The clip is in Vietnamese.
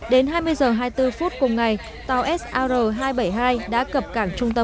đến hai mươi h hai mươi bốn phút cùng ngày tàu sir hai trăm bảy mươi hai đã cập cảng trung tâm